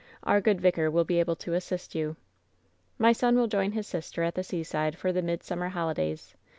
Our good vicar will be able to assist you. " 'My son will join his sister at the seaside for the midsummer holidays.